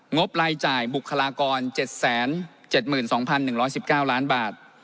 บรายจ่ายบุคลากร๗๗๒๑๑๙ล้านบาท